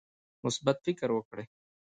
مثبت فکر وکړئ